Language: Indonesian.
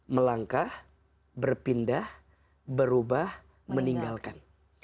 melangkah berpindah berubah meninggalkan